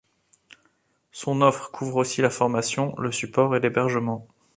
Son offre couvre aussi la formation, le support et l'hébergement.